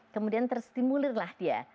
kemudian terstimulirlah dia